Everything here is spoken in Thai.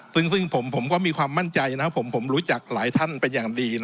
ซึ่งผมก็มีความมั่นใจนะครับผมรู้จักหลายท่านเป็นอย่างดี